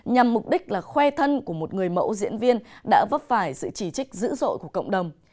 nhằm mục đích là khoe thân của một người mẫu diễn viên đã vấp phải sự chỉ trích dữ dội của cộng đồng